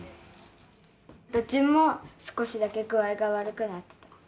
旬も少しだけ具合が悪くなってた。